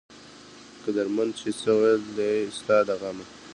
قدرمند چې څۀ وئيل دي ستا د غمه